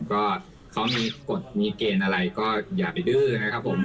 ก็เขามีกฎมีเกณฑ์อะไรก็อย่าไปดื้อนะครับผม